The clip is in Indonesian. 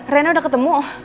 rena udah ketemu